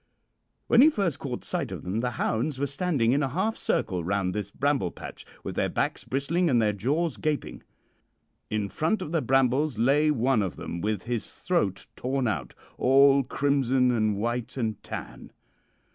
"When he first caught sight of them the hounds were standing in a half circle round this bramble patch, with their backs bristling and their jaws gaping. In front of the brambles lay one of them with his throat torn out, all crimson and white and tan.